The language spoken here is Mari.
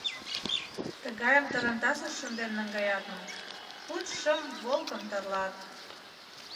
Тыгайым тарантасыш шынден наҥгаят мо — куд-шым «Волгым» тарлат.